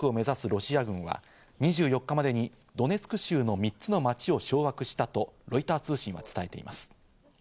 ロシア軍は２４日までにドネツク州の３つの町を掌握したとロイター通信は伝えています。